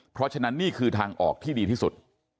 เพราะฉะนั้นนี่คือทางออกที่ดีที่สุด